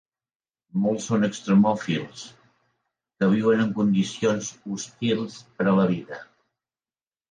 Molts són extremòfils, que viuen en condicions hostils per a la vida.